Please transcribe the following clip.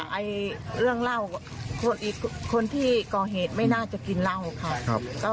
ค่ะเรื่องเหล้าคนที่ก่อเหตุไม่น่าจะกินเหล้าครับ